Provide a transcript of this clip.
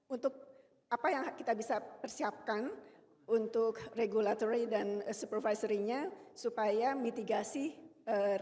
untuk apa yang kita bisa persiapkan untuk regulatory dan supervisory dan juga untuk internasional